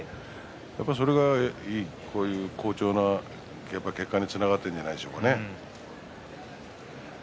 やはりそれが好調な結果につながっているんじゃないですかね。